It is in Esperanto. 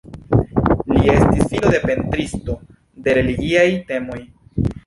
Li estis filo de pentristo de religiaj temoj.